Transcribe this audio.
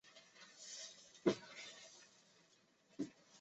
壶遂为人深中笃行。